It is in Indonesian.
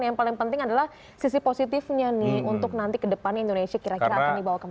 yang paling penting adalah sisi positifnya nih untuk nanti kedepannya indonesia kira kira akan dibawa kemana